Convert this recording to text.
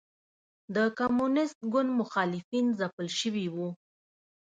د کمونېست ګوند مخالفین ځپل شوي وو.